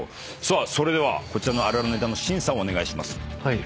それではこちらのあるあるネタの審査をお願いします。